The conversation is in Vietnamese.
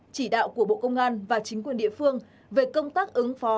chỉ đạo của bộ công an và chính quyền địa phương về công tác ứng phó